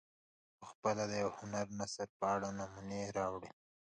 پخپله د یو هنري نثر په اړه نمونه راوړي.